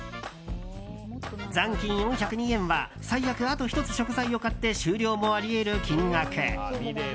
残金４０２円は最悪、あと１つ食材を買って終了もあり得る金額。